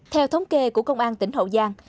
theo thống kê của công an tỉnh hậu giang